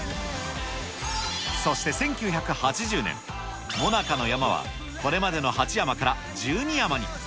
そして１９８０年、モナカの山は、これまでの８山から１２山に。